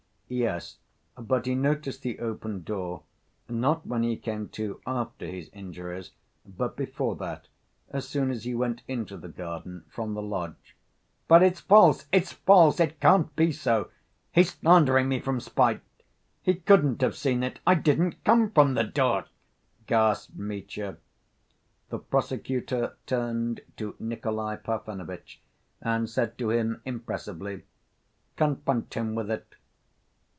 "Yes, but he noticed the open door, not when he came to after his injuries, but before that, as soon as he went into the garden from the lodge." "But it's false, it's false! It can't be so! He's slandering me from spite.... He couldn't have seen it ... I didn't come from the door," gasped Mitya. The prosecutor turned to Nikolay Parfenovitch and said to him impressively: "Confront him with it."